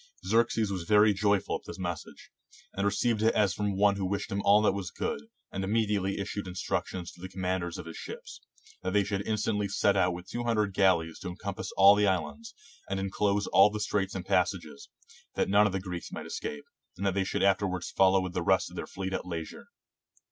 Xerxes was very joyful at this mes ii6 THE BATTLE OF SALAMIS sage, and received it as from one who wished him all that was good, and immediately issued instructions to the commanders of his ships, that they should instantly set out with two hundred galleys to encompass all the islands, and inclose all the straits and passages, that none of the Greeks might escape, and that they should afterwards follow with the rest of their fleet at lesisure.